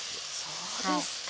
そうですか。